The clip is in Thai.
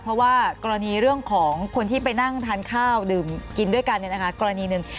เพราะว่ากรณีเรื่องของคนที่ไปนั่งทานข้าวดื่มกินด้วยกันกรณีหนึ่ง